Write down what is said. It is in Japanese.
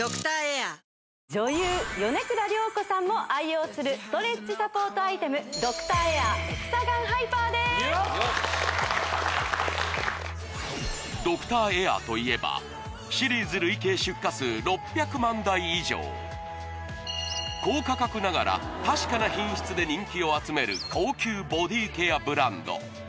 女優米倉涼子さんも愛用するストレッチサポートアイテムドクターエアエクサガンハイパーです・よっ・よしドクターエアといえばシリーズ累計出荷数６００万台以上高価格ながら確かな品質で人気を集める高級ボディケアブランド